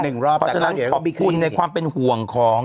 เพราะฉะนั้นขอบคุณในความเป็นห่วงของ